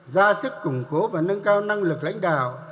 ra sức củng cố và nâng cao năng lực lãnh đạo